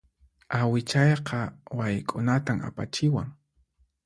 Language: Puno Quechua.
Awichayqa wayk'unatan apachiwan.